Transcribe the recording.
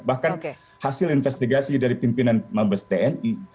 bahkan hasil investigasi dari pimpinan mabes tni